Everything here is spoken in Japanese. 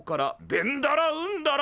ベンダラウンダラ。